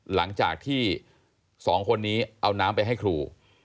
หลังจากที่๒คนนี้เอาน้ำไปให้ครู